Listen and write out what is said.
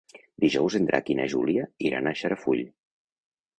Dijous en Drac i na Júlia iran a Xarafull.